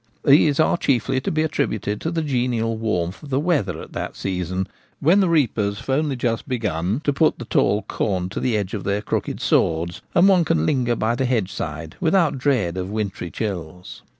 These are chiefly to be attri buted to the genial warmth of the weather at that season, when the reapers have only just begun to put the tall corn to the edge of their crooked swords, and one can linger by the hedge side without dread of wintry chills.